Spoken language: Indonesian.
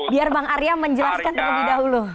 biar bang arya menjelaskan terlebih dahulu